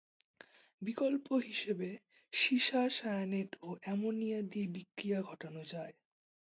বিকল্প হিসেবে সীসা সায়ানেট ও অ্যামোনিয়া দিয়ে বিক্রিয়া ঘটানো যায়।